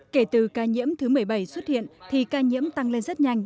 kể từ ca nhiễm thứ một mươi bảy xuất hiện thì ca nhiễm tăng lên rất nhanh